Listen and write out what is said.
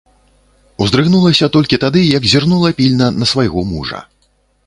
Уздрыгнулася толькі тады, як зірнула пільна на свайго мужа.